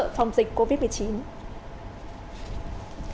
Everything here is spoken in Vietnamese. phòng dịch covid một mươi chín